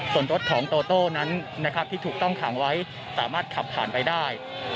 ส่วนรถของโตโต้นั้นที่ถูกต้องขังไว้สามารถขับผ่านไปได้